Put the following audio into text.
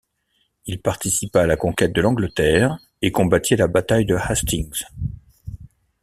Il participa à la conquête de l'Angleterre et combattit à la bataille de Hastings.